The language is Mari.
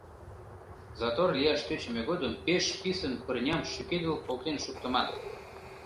Затор лияш тӧчымӧ годым пеш писын пырням шӱкедыл колтен шуктыман.